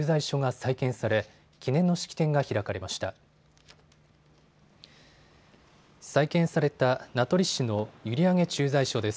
再建された名取市の閖上駐在所です。